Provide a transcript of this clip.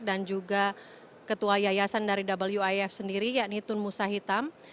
dan juga ketua yayasan dari wif sendiri yakni tun musa hitam